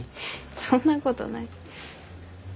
そんなごどない。